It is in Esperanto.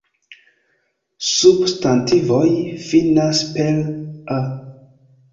Substantivoj finas per -a.